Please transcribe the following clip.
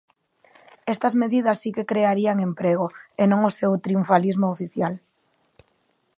Estas medidas si que crearían emprego, e non o seu triunfalismo oficial.